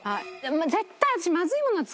絶対私。